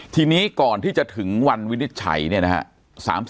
ทีนี้ก่อนที่จะถึงวันวินิจฉัยเนี่ยนะฮะ